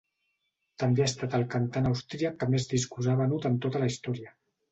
També ha estat el cantant austríac que més discos ha venut en tota la història.